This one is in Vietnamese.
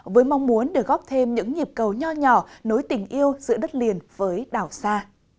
với mong muốn được góp thêm những nhịp cầu nhỏ nhỏ nối tình yêu giữa đất liền với đảo xa